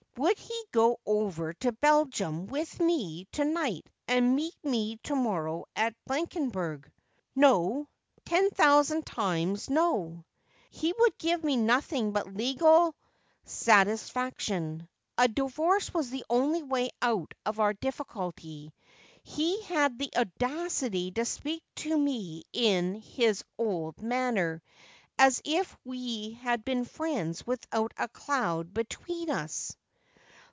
Would he go over to Belgium with me to night and meet me to morrow at Blankenberg 1 No. Ten thousand times no. He would give me nothing but legal satis faction. A divorce was the only way out of our difficulty. He had the audacity to speak to me in his old manner, as if we had been friends without a cloud between us.